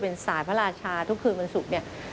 เป็นสายพระราชาทุกคืนมันสุข